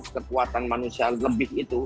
kekuatan manusia lebih itu